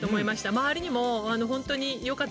周りにも本当に」。